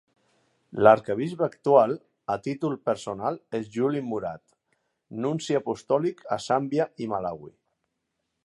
L'arquebisbe actual, a títol personal, és Juli Murat, nunci apostòlic a Zàmbia i Malawi.